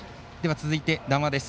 続いて談話です。